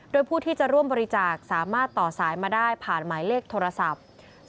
โดยผู้ที่จะร่วมบริจาคสามารถต่อสายมาได้ผ่านหมายเลขโทรศัพท์